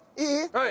はい。